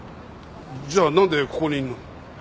じゃあ何でここにいんの？